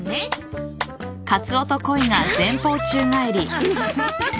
アハハハ。